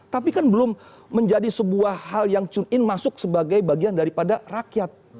tapi kan belum menjadi sebuah hal yang tune in masuk sebagai bagian daripada rakyat